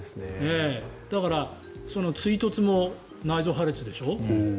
だから、追突も内臓破裂でしょ。